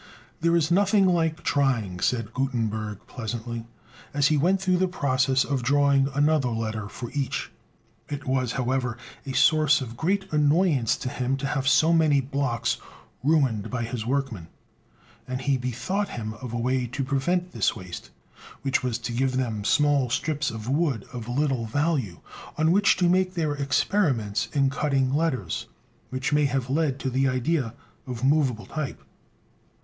"There's nothing like trying," said Gutenberg pleasantly, as he went through the process of drawing another letter for each. It was, however, a source of great annoyance to him to have so many blocks ruined by his workmen; and he bethought him of a way to prevent this waste, which was to give them small strips of wood of little value, on which to make their experiments in cutting letters, which may have led to the idea of movable type.